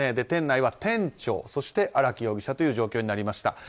店内は店長、荒木容疑者という状況になりました。